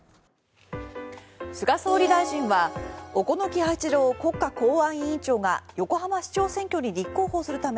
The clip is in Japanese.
菅総理大臣は小此木八郎国家公安委員長が横浜市長選挙に立候補するため